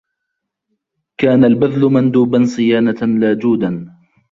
كَانَ الْبَذْلُ مَنْدُوبًا صِيَانَةً لَا جُودًا